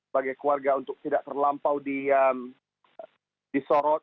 bagi keluarga untuk tidak terlampau disorot